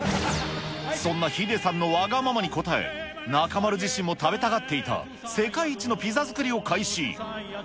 そんなヒデさんのわがままに応え、中丸自身も食べたがっていた、世界一のピザ作りを開始。